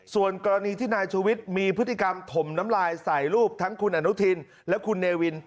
ส่วนกรณีที่นายชูวิทย์มีพฤติกรรมถมน้ำลายใส่รูปทั้งคุณอนุทินและคุณเนวิน